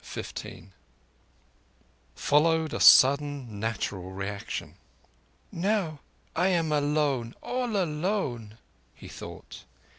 15 Followed a sudden natural reaction. "Now am I alone—all alone," he thought.